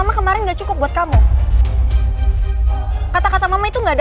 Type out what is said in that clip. akhirnya sampai juga